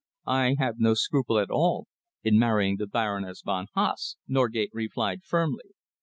"I have no scruple at all in marrying the Baroness von Haase," Norgate replied firmly.